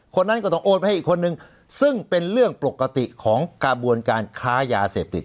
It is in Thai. คนนั้นก็ต้องโอนไปให้อีกคนนึงซึ่งเป็นเรื่องปกติของกระบวนการค้ายาเสพติด